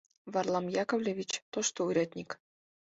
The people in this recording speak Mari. Варлам Яковлевич — тошто урядник.